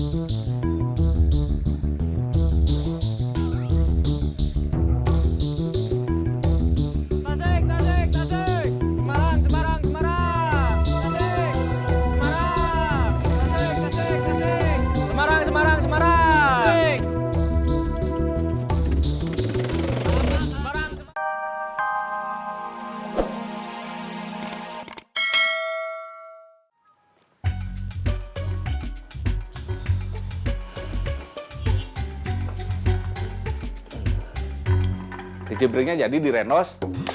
kicimpringnya jadi direndos